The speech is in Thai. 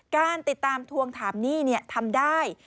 การติดตามทวงถามหนี้ทำได้